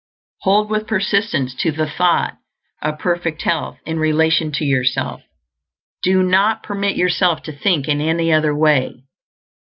Hold with persistence to the thought of perfect health in relation to yourself; do not permit yourself to think in any other way.